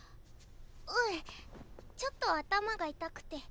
うんちょっと頭が痛くて。